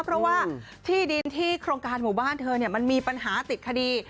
เพราะว่าที่ดินที่โครงการหมู่บ้านเธอมันมีปัญหาติดคดี